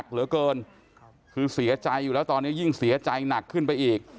เหลือเกินคือเสียใจอยู่แล้วตอนนี้ยิ่งเสียใจหนักขึ้นไปอีก